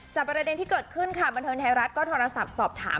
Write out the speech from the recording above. จากประเด็นที่เกิดขึ้นค่ะบริษัทก็ทราบสอบถาม